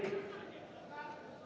bapak tidak ingat